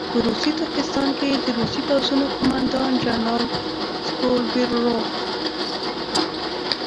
په روسي ترکستان کې د روسي پوځونو قوماندان جنرال سکوبیلروف.